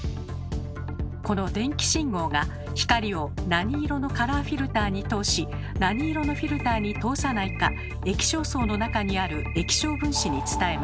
この電気信号が光を何色のカラーフィルターに通し何色のフィルターに通さないか液晶層の中にある液晶分子に伝えます。